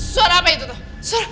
suara apa itu tuh